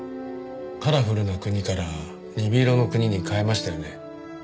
『カラフルなくに』から『鈍色のくに』に変えましたよね。